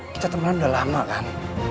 kita temenan udah lama kan